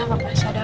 pak kenapa pak